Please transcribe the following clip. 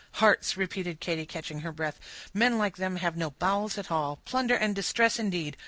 "Hearts," repeated Katy, catching her breath. "Men like them have no bowels" at all. Plunder and distress, indeed!